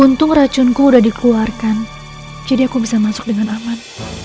untung racunku udah dikeluarkan jadi aku bisa masuk dengan aman